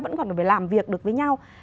vẫn còn phải làm việc được với nhau